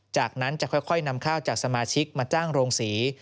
จากนั้นจะค่อยนำข้าวจากสมาชิกมาจ้างโรงศรี